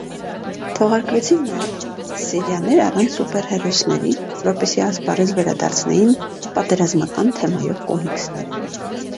Թողարկվեցին նաև սեիաներ առանց սուպերհերոսների, որպեսզի ասպարեզ վերադարձնեին պատերազմական թեմայով կոմիքսները։